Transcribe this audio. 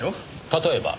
例えば？